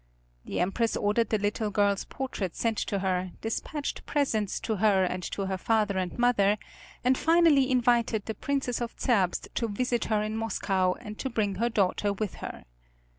The Empress ordered the little girl's portrait sent to her, despatched presents to her and to her father and mother, and finally invited the Princess of Zerbst to visit her in Moscow and to bring her daughter with her.